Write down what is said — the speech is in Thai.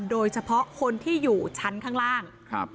โดยเฉพาะคนที่อยู่ชั้นข้างล่าง